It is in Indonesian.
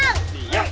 masuk masuk masuk